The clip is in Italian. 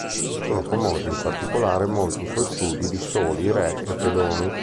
Sono famosi in particolare molti suoi studi di soli re e pedoni.